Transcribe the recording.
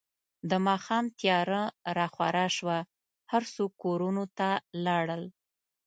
د ماښام تیاره راخوره شوه، هر څوک کورونو ته لاړل.